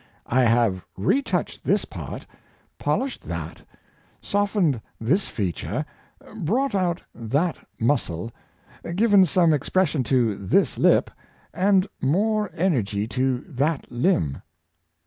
" I have retouched this part — polished that — softened this feature — brought out that muscle — given some expres sion to this lip, and more energy to that limb."